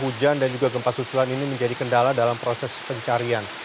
hujan dan juga gempa susulan ini menjadi kendala dalam proses pencarian